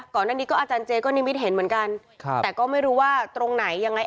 ก่อนหน้านี้ก็อาจารย์เจก็นิมิตเห็นเหมือนกันแต่ก็ไม่รู้ว่าตรงไหนยังไง